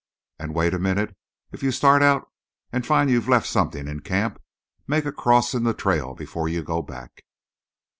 And wait a minute if you start out and find you've left something in camp, make a cross in the trail before you go back."